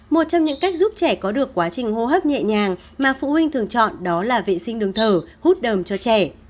một trong những cách giúp trẻ có được quá trình hô hấp nhẹ nhàng mà phụ huynh thường chọn đó là vệ sinh đường thở hút đờm cho trẻ